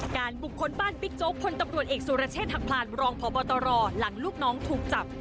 บุคคลบ้านบิ๊กโจ๊กพลตำรวจเอกสุรเชษฐหักพลานรองพบตรหลังลูกน้องถูกจับ